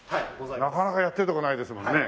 なかなかやってるとこないですもんね。